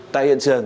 tại hiện trường